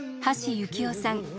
橋幸夫さん